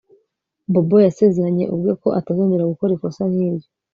Bobo yasezeranye ubwe ko atazongera gukora ikosa nkiryo